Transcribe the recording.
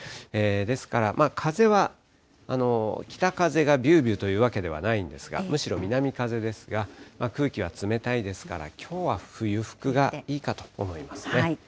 ですから、風は北風がびゅーびゅーというわけではないんですが、むしろ南風ですが、空気は冷たいですから、きょうは冬服がいいかと思いますね。